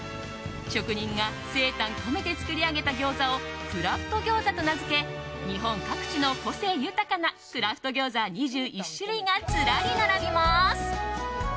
職人が精魂こめて作り上げたこちらの餃子をクラフト餃子と名付け日本各地の個性豊かなクラフト餃子２１種類がずらり並びます。